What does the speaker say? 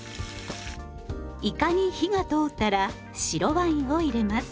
いかに火が通ったら白ワインを入れます。